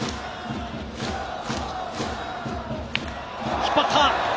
引っ張った！